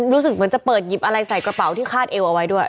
รู้สึกเหมือนจะเปิดหยิบอะไรใส่กระเป๋าที่คาดเอวเอาไว้ด้วย